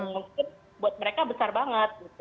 mungkin buat mereka besar banget